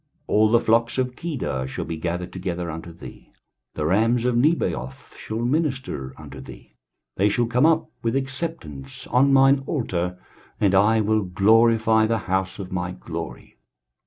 23:060:007 All the flocks of Kedar shall be gathered together unto thee, the rams of Nebaioth shall minister unto thee: they shall come up with acceptance on mine altar, and I will glorify the house of my glory.